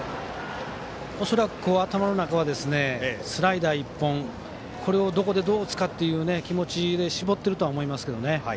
恐らく、頭の中はスライダー１本これを、どこでどう打つかという気持ちで絞っていると思いますね。